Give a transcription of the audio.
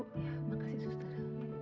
terima kasih suster